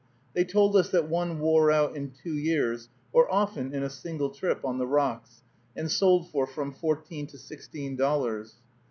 They told us that one wore out in two years, or often in a single trip, on the rocks, and sold for from fourteen to sixteen dollars.